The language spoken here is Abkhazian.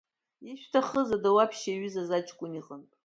Ишәҭахыз адауаԥшь иаҩызаз аҷкәын иҟнытә.